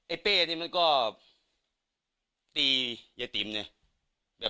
ไอเป้นี่มันก็ตีเอยาติ่มเนี่ย